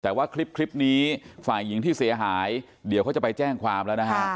แต่ว่าคลิปนี้ฝ่ายหญิงที่เสียหายเดี๋ยวเขาจะไปแจ้งความแล้วนะฮะ